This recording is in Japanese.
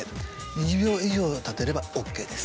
２０秒以上立てればＯＫです。